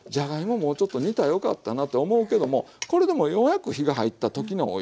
もうちょっと煮たらよかったなと思うけどもこれでもようやく火が入った時のおいしさ。